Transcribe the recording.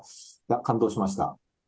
感動しました。